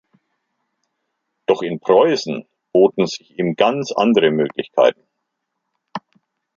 Doch in Preußen boten sich ihm ganz andere Möglichkeiten.